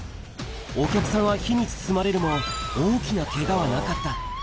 お客さんは火に包まれるも、大きなけがはなかった。